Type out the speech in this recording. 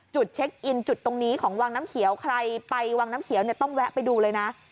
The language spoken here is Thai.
เช็คอินจุดตรงนี้ของวังน้ำเขียวใครไปวังน้ำเขียวเนี่ยต้องแวะไปดูเลยนะ